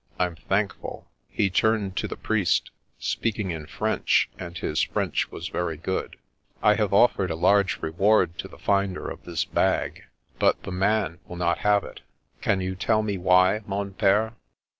" I'm thankful. He turned to the priest, speaking in French — and 99 A Man from the Dark 197 his French was very good. " I have offered a large reward to the finder of this bag. But the man will not have it. Can you tell me why, mon pire?